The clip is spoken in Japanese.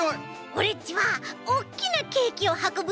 オレっちはおっきなケーキをはこぶ